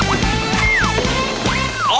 อองปะโจ